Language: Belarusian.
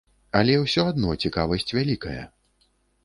Але ўсё адно цікавасць вялікая.